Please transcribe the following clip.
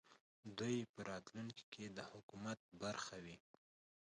دوی په راتلونکې کې د حکومت برخه وي